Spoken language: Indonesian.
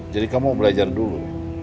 jadi kamu mau belajar dulu